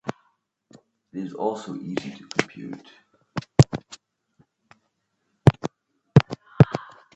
It is also easy to compute.